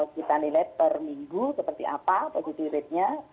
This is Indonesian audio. kita nilai per minggu seperti apa positivity ratenya